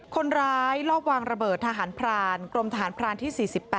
คนร้ายลอบวางระเบิดทหารพรานกรมทหารพรานที่๔๘